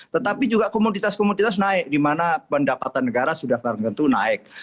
tetapi juga komoditas komoditas naik di mana pendapatan negara sudah tertentu naik